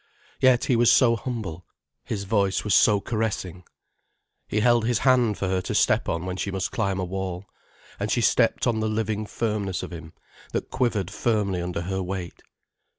Yet he was so humble, his voice was so caressing. He held his hand for her to step on when she must climb a wall. And she stepped on the living firmness of him, that quivered firmly under her weight.